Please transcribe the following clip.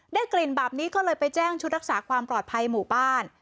กลิ่นแบบนี้ก็เลยไปแจ้งชุดรักษาความปลอดภัยหมู่บ้าน